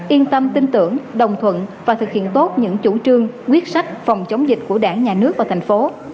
yên tâm tin tưởng đồng thuận và thực hiện tốt những chủ trương quyết sách phòng chống dịch của đảng nhà nước và thành phố